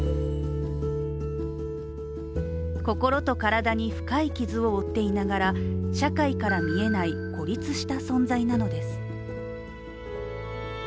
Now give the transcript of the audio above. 心と体に深い傷を負っていながら社会から見えない孤立した存在なのです。